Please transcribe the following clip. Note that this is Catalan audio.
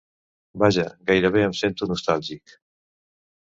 Vaja, gairebé em sento nostàlgic.